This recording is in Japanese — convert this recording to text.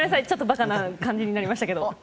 ちょっとバカな感じになりましたけど。